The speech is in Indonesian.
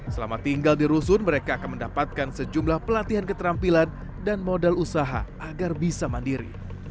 selama tinggal di rusun mereka akan mendapatkan sejumlah pelatihan keterampilan dan modal usaha agar bisa mandiri